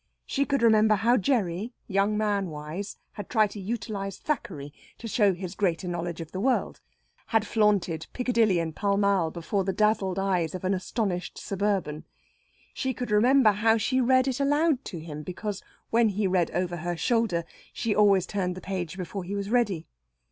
She could remember how Gerry, young man wise, had tried to utilise Thackeray to show his greater knowledge of the world had flaunted Piccadilly and Pall Mall before the dazzled eyes of an astonished suburban. She could remember how she read it aloud to him, because, when he read over her shoulder, she always turned the page before he was ready.